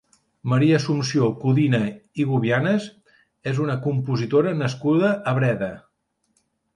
Maria Assumpció Codina i Gubianes és una compositora nascuda a Breda.